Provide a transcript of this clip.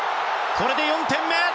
これで４点目！